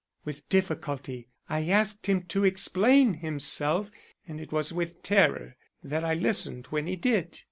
With difficulty I asked him to explain himself, and it was with terror that I listened when he did.